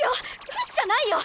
フシじゃないよ！